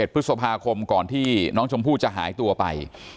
พฤษภาคมก่อนที่น้องชมพู่จะหายตัวไป